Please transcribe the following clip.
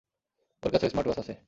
ওর কাছে স্মার্টওয়াচ আছে।